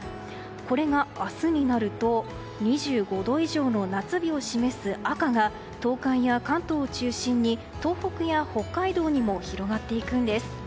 これが明日になると２５度以上の夏日を示す赤が、東海や関東を中心に東北や北海道にも広がっていくんです。